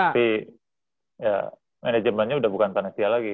tapi ya manajemennya udah bukan panasia lagi